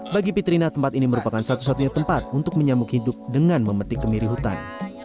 bagi pitrina tempat ini merupakan satu satunya tempat untuk menyambung hidup dengan memetik kemiri hutan